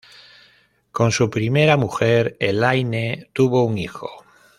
Con su primera mujer, Elaine, tuvo un hijo.